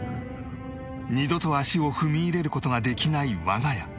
二度と足を踏み入れる事ができない我が家